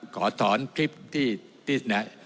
ขอถอนคลิปที่ไหน